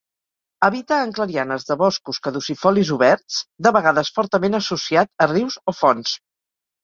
Habita en clarianes de boscos caducifolis oberts, de vegades fortament associat a rius o fonts.